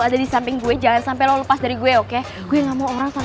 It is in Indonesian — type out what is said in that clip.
ada yang ada orang